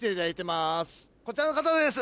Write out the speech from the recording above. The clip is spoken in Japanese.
こちらの方です